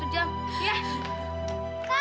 ini yang harus diberikan pak